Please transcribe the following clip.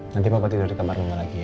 nanti papa tidur di kamar mama lagi ya